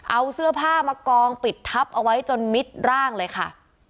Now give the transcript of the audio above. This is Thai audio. เอาเสื้อผ้ามากองปิดทับเอาไว้จนมิดร่างเลยค่ะ